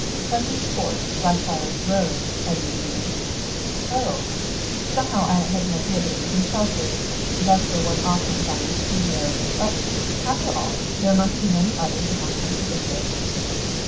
"Pleasance Court, Blackfriars' Road," Eddy repeated. "Oh! I somehow had an idea it was Chelsea. That's where one often finds studios; but, after all, there must be many others, if one comes to think of it."